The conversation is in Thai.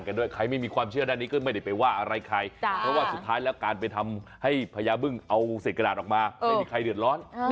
กันด้วยใครไม่มีความเชื่อด้านนี้ก็ไม่ได้ไปว่าอะไรใคร